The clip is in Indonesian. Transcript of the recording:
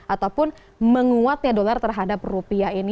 ataupun menguatnya dolar terhadap rupiah ini